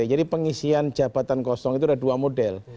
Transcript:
jadi pengisian jabatan kosong itu ada dua model